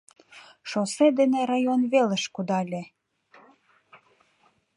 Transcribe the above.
Шоссе дене район велыш кудале...